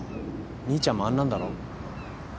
兄ちゃんもあんなんだろ。